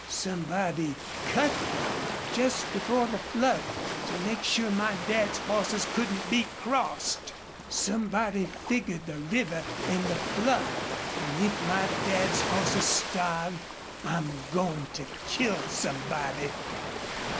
Somebody cut them jest before the flood to make sure my dad's hosses couldn't be crossed. Somebody figgered the river an' the flood. An' if my dad's hosses starve I'm goin' to kill somebody!'"